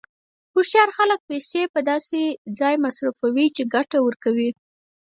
هوښیار خلک پیسې په داسې ځای مصرفوي چې ګټه ورکړي.